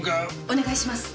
お願いします。